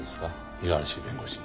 五十嵐弁護士に。